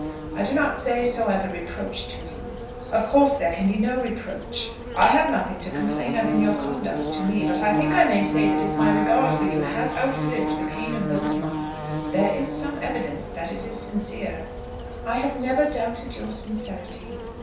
I do not say so as a reproach to you. Of course there can be no reproach. I have nothing to complain of in your conduct to me. But I think I may say that if my regard for you has outlived the pain of those months there is some evidence that it is sincere." "I have never doubted your sincerity."